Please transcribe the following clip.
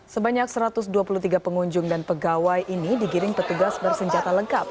sebanyak satu ratus dua puluh tiga pengunjung dan pegawai ini digiring petugas bersenjata lengkap